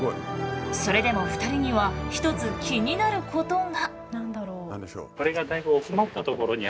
それでも２人には一つ気になることが。